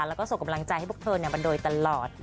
แล้วก็ส่งกำลังใจให้พวกเธอมาโดยตลอด